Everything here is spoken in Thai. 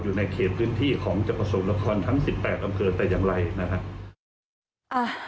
อยู่ในเขตพื้นที่ของจะประสบละครทั้ง๑๘อำเภอแต่อย่างไรนะครับ